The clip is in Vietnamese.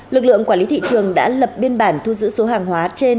lực lượng quản lý thị trường đã lập biên bản thu giữ số hàng hóa trên